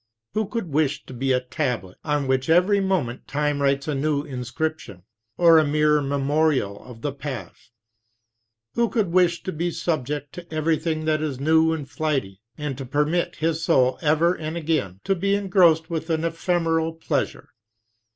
Who could wish to be a tablet on which every moment Time writes a new inscription, or a mere memorial of the past? Who could wish to be subject to everything that is new and flighty, and to permit his soul ever and again to be engrossed with an ephemeral pleasure?